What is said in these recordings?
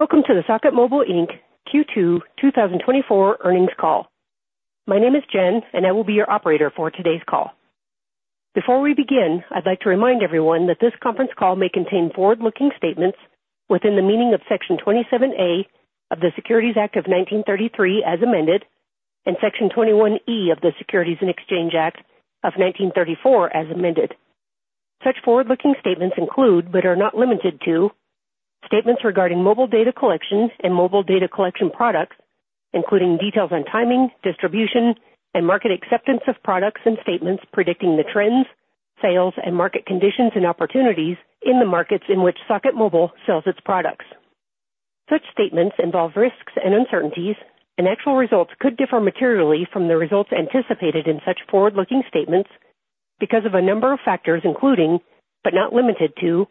Welcome to the Socket Mobile, Inc. Q2 2024 earnings call. My name is Jen, and I will be your operator for today's call. Before we begin, I'd like to remind everyone that this conference call may contain forward-looking statements within the meaning of Section 27A of the Securities Act of 1933, as amended, and Section 21E of the Securities and Exchange Act of 1934, as amended. Such forward-looking statements include, but are not limited to, statements regarding mobile data collection and mobile data collection products, including details on timing, distribution, and market acceptance of products and statements predicting the trends, sales, and market conditions and opportunities in the markets in which Socket Mobile sells its products. Such statements involve risks and uncertainties, and actual results could differ materially from the results anticipated in such forward-looking statements because of a number of factors, including, but not limited to,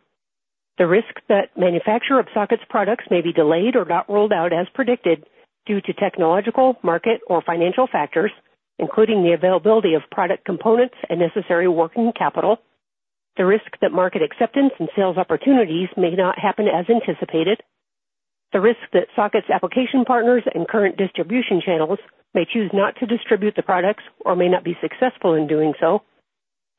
the risk that manufacture of Socket's products may be delayed or not rolled out as predicted due to technological, market, or financial factors, including the availability of product components and necessary working capital, the risk that market acceptance and sales opportunities may not happen as anticipated, the risk that Socket's application partners and current distribution channels may choose not to distribute the products or may not be successful in doing so,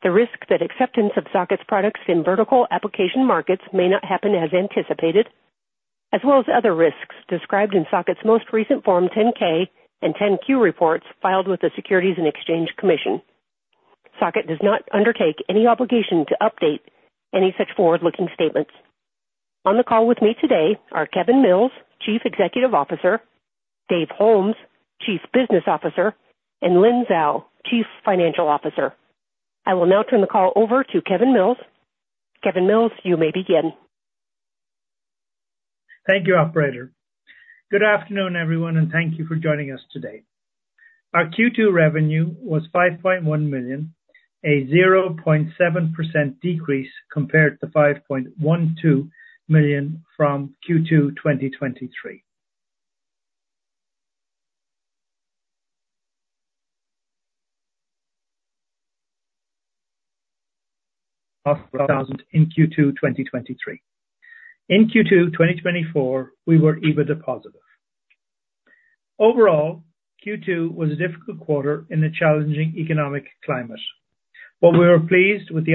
the risk that acceptance of Socket's products in vertical application markets may not happen as anticipated, as well as other risks described in Socket's most recent Form 10-K and 10-Q reports filed with the Securities and Exchange Commission. Socket does not undertake any obligation to update any such forward-looking statements. On the call with me today are Kevin Mills, Chief Executive Officer, Dave Holmes, Chief Business Officer, and Lynn Zhao, Chief Financial Officer. I will now turn the call over to Kevin Mills. Kevin Mills, you may begin. Thank you, Operator. Good afternoon, everyone, and thank you for joining us today. Our Q2 revenue was $5.1 million, a 0.7% decrease compared to $5.12 million from Q2 2023. In Q2 2024, we were EBITDA positive. Overall, Q2 was a difficult quarter in a challenging economic climate, but we were pleased with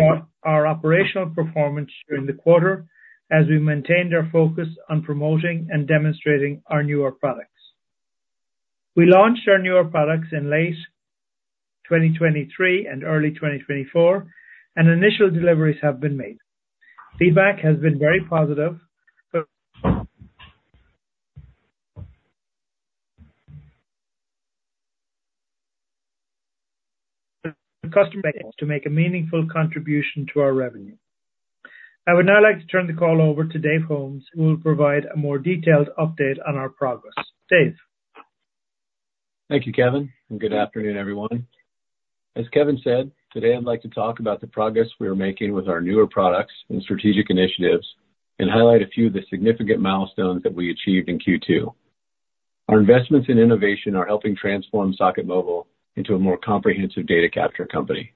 our operational performance during the quarter as we maintained our focus on promoting and demonstrating our newer products. We launched our newer products in late 2023 and early 2024, and initial deliveries have been made. Feedback has been very positive. The customer to make a meaningful contribution to our revenue. I would now like to turn the call over to Dave Holmes, who will provide a more detailed update on our progress. David. Thank you, Kevin, and good afternoon, everyone. As Kevin said, today I'd like to talk about the progress we are making with our newer products and strategic initiatives and highlight a few of the significant milestones that we achieved in Q2. Our investments in innovation are helping transform Socket Mobile into a more comprehensive data capture company.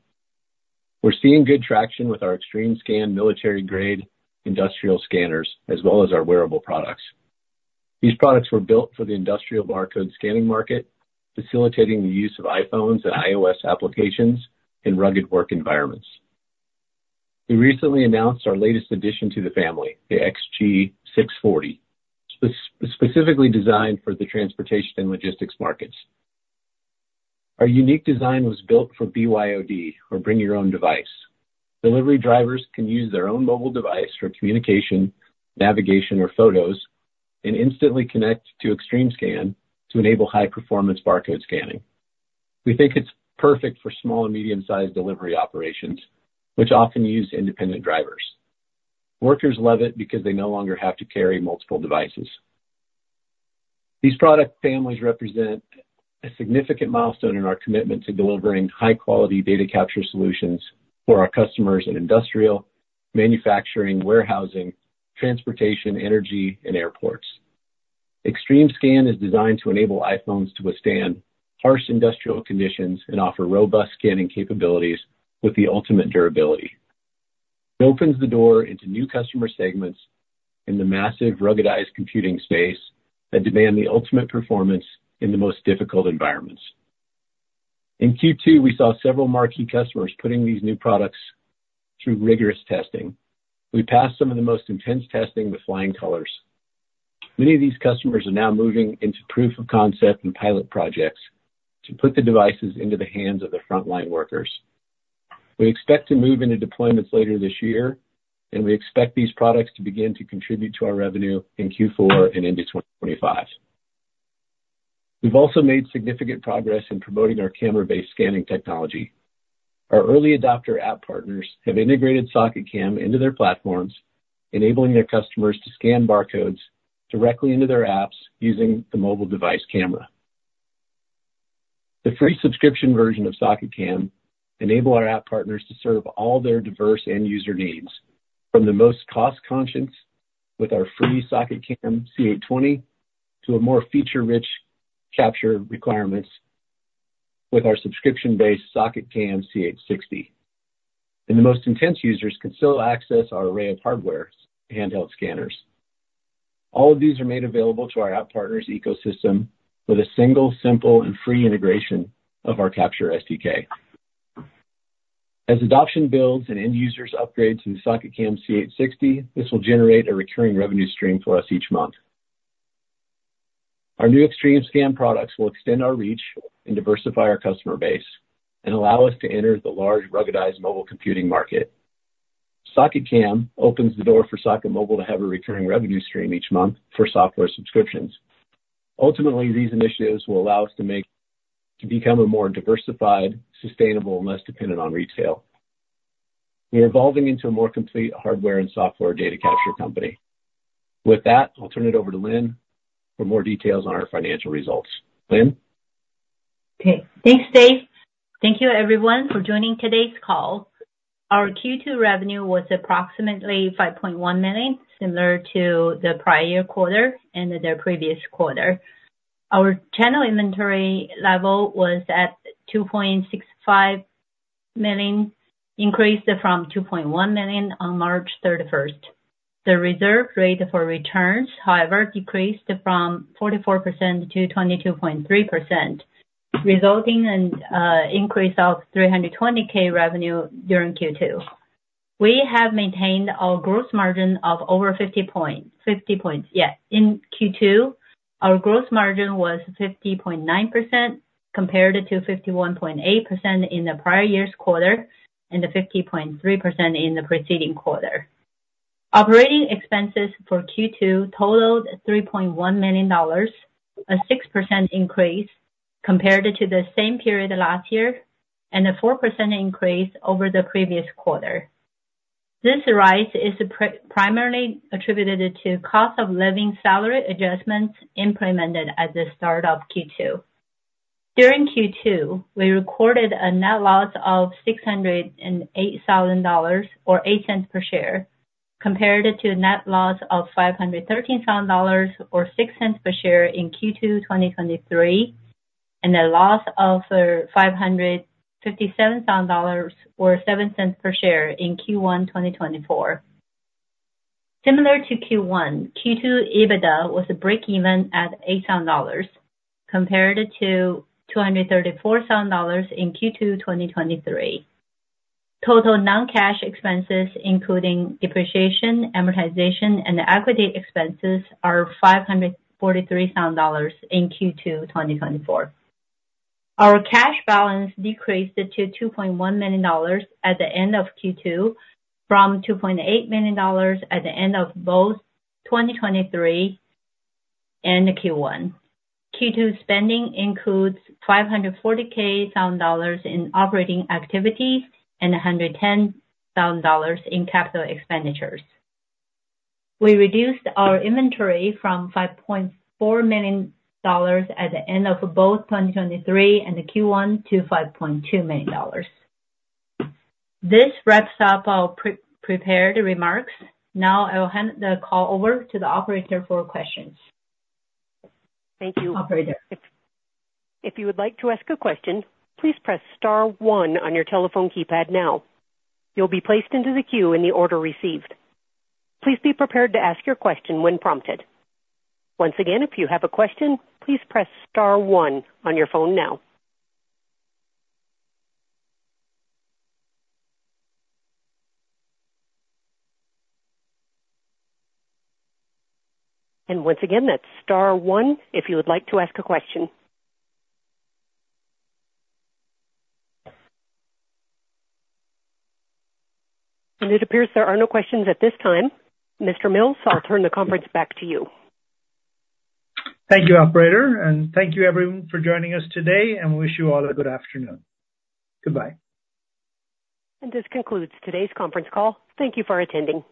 We're seeing good traction with our XtremeScan military-grade industrial scanners, as well as our wearable products. These products were built for the industrial barcode scanning market, facilitating the use of iPhones and iOS applications in rugged work environments. We recently announced our latest addition to the family, the XG640, specifically designed for the transportation and logistics markets. Our unique design was built for BYOD, or bring your own device. Delivery drivers can use their own mobile device for communication, navigation, or photos, and instantly connect to XtremeScan to enable high-performance barcode scanning. We think it's perfect for small and medium-sized delivery operations, which often use independent drivers. Workers love it because they no longer have to carry multiple devices. These product families represent a significant milestone in our commitment to delivering high-quality data capture solutions for our customers in industrial, manufacturing, warehousing, transportation, energy, and airports. XtremeScan is designed to enable iPhones to withstand harsh industrial conditions and offer robust scanning capabilities with the ultimate durability. It opens the door into new customer segments in the massive ruggedized computing space that demand the ultimate performance in the most difficult environments. In Q2, we saw several marquee customers putting these new products through rigorous testing. We passed some of the most intense testing with flying colors. Many of these customers are now moving into proof of concept and pilot projects to put the devices into the hands of the frontline workers. We expect to move into deployments later this year, and we expect these products to begin to contribute to our revenue in Q4 and into 2025. We've also made significant progress in promoting our camera-based scanning technology. Our early adopter app partners have integrated SocketCam into their platforms, enabling their customers to scan barcodes directly into their apps using the mobile device camera. The free subscription version of SocketCam enables our app partners to serve all their diverse end user needs, from the most cost-conscious with our free SocketCam C820 to a more feature-rich capture requirements with our subscription-based SocketCam C860. And the most intense users can still access our array of hardware handheld scanners. All of these are made available to our app partners' ecosystem with a single, simple, and free integration of our CaptureSDK. As adoption builds and end users upgrade to the SocketCam C860, this will generate a recurring revenue stream for us each month. Our new XtremeScan products will extend our reach and diversify our customer base and allow us to enter the large ruggedized mobile computing market. SocketCam opens the door for Socket Mobile to have a recurring revenue stream each month for software subscriptions. Ultimately, these initiatives will allow us to become a more diversified, sustainable, and less dependent on retail. We're evolving into a more complete hardware and software data capture company. With that, I'll turn it over to Lynn for more details on our financial results. Lynn. Okay. Thanks, Dave. Thank you, everyone, for joining today's call. Our Q2 revenue was approximately $5.1 million, similar to the prior quarter and the previous quarter. Our channel inventory level was at $2.65 million, increased from $2.1 million on March 31st. The reserve rate for returns, however, decreased from 44%-22.3%, resulting in an increase of $320,000 revenue during Q2. We have maintained our gross margin of over 50 points. Yeah. In Q2, our gross margin was 50.9% compared to 51.8% in the prior year's quarter and 50.3% in the preceding quarter. Operating expenses for Q2 totaled $3.1 million, a 6% increase compared to the same period last year and a 4% increase over the previous quarter. This rise is primarily attributed to cost of living salary adjustments implemented at the start of Q2. During Q2, we recorded a net loss of $608,000 or $0.08 per share compared to a net loss of $513,000 or $0.06 per share in Q2 2023 and a loss of $557,000 or $0.07 per share in Q1 2024. Similar to Q1, Q2 EBITDA was a break-even at $8,000 compared to $234,000 in Q2 2023. Total non-cash expenses, including depreciation, amortization, and equity expenses, are $543,000 in Q2 2024. Our cash balance decreased to $2.1 million at the end of Q2 from $2.8 million at the end of both 2023 and Q1. Q2 spending includes $540,000 in operating activity and $110,000 in capital expenditures. We reduced our inventory from $5.4 million at the end of both 2023 and Q1 to $5.2 million. This wraps up our prepared remarks. Now I will hand the call over to the operator for questions. Thank you, Operator. If you would like to ask a question, please press star 1 on your telephone keypad now. You'll be placed into the queue in the order received. Please be prepared to ask your question when prompted. Once again, if you have a question, please press star 1 on your phone now. And once again, that's star 1 if you would like to ask a question. And it appears there are no questions at this time. Mr. Mills, I'll turn the conference back to you. Thank you, Operator, and thank you, everyone, for joining us today, and we wish you all a good afternoon. Goodbye. This concludes today's conference call. Thank you for attending.